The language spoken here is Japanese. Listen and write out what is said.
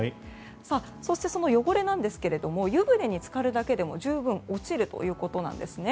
そしてその汚れなんですけれども湯船に浸かるだけでも十分落ちるということなんですね。